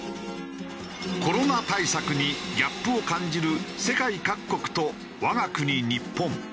コロナ対策にギャップを感じる世界各国と我が国日本。